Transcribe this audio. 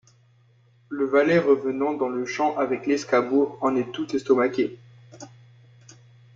Le valet, revenant dans le champ avec l'escabeau, en est tout estomaqué.